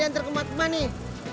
jangan terkemat kemat nih